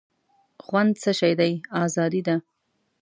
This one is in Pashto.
خوند څه شی دی آزادي ده.